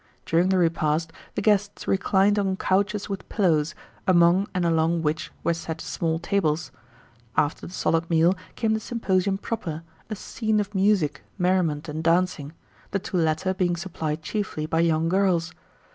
During the repast, the guests reclined on couches with pillows, among and along which were set small tables. After the solid meal came the "symposium" proper, a scene of music, merriment, and dancing, the two latter being supplied chiefly by young girls.